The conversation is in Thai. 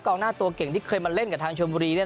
หน้าตัวเก่งที่เคยมาเล่นกับทางชนบุรี